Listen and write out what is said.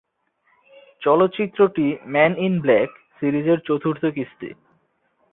চলচ্চিত্রটি "men in black" সিরিজের চতুর্থ কিস্তি।